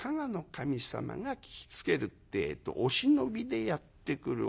守様が聞きつけるってえとお忍びでやって来る。